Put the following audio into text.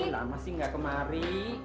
lama sih gak kemari